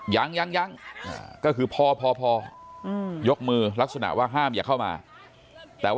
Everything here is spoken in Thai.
ยังนะก็คือพอยกมือลักษณะว่าห้ามอย่าเข้ามา